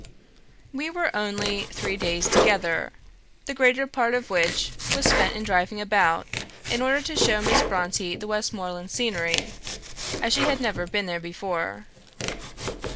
"We were only three days together; the greater part of which was spent in driving about, in order to show Miss Brontë the Westmoreland scenery, as she had never been there before.